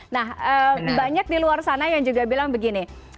nah banyak di luar sana yang juga bilang begini